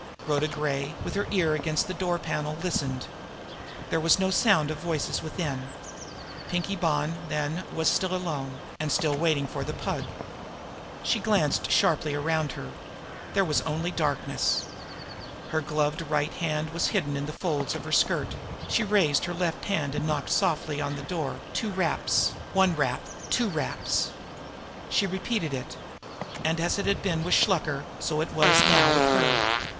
Rhoda Gray, with her ear against the door panel, listened. There was no sound of voices from within. Pinkie Bonn, then, was still alone, and still waiting for the Pug. She glanced sharply around her. There was only darkness. Her gloved right hand was hidden in the folds of her skirt; she raised her left hand and knocked softly upon the door two raps, one rap, two raps. She repeated it. And as it had been with Shluker, so it was now with her.